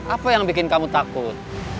apa yang bikin kamu takut